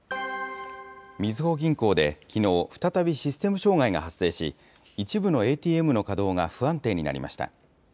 みずほ銀行できのう、再びシステム障害が発生し、一部のＡＴＭの稼働が不安定になりました。